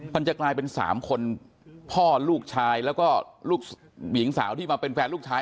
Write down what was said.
มันจะกลายเป็น๓คนพ่อลูกชายแล้วก็ลูกหญิงสาวที่มาเป็นแฟนลูกชาย